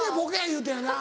言うてやな。